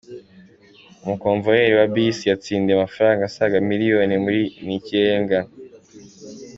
Umukomvayeri wa Bisi yatsindiye amafaranga asaga Miliyoni muri Ni Ikirengaaa.